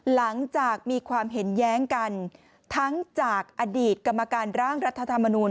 หลังจากมีความเห็นแย้งกันทั้งจากอดีตกรรมการร่างรัฐธรรมนูล